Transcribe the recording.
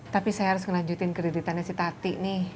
tapi saya harus ngelanjutin kreditannya si tati nih